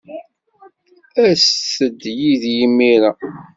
Aset-d yid-i imir-a.